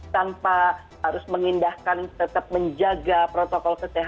tanpa harus mengindahkan tetap menjaga protokol kesehatan